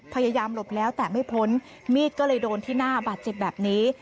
พยายามหลบแล้วแต่ไม่พ้นมีดก็เลยโดนที่หน้าบาดเจ็บแบบนี้